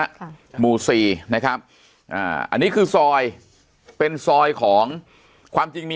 ค่ะหมู่สี่นะครับอ่าอันนี้คือซอยเป็นซอยของความจริงมี